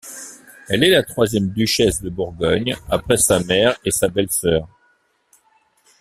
Elle est la troisième duchesse de Bourgogne après sa mère et sa belle-sœur.